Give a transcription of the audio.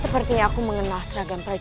sepertinya aku mengenal seragam prajuri